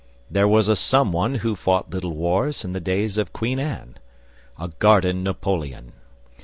There was a Someone who fought Little Wars in the days of Queen Anne; a garden Napoleon.